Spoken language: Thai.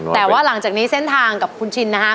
แต่ว่าหลังจากนี้เส้นทางกับคุณชินนะฮะ